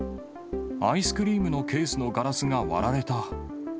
アイスクリームのケースのガラスが割られた。